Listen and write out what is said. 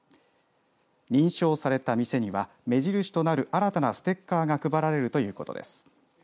認証された店には目印となる新たなステッカーが配られるということです。